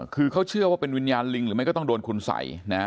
คือเขาเชื่อว่าเป็นวิญญาณลิงหรือไม่ก็ต้องโดนคุณสัยนะฮะ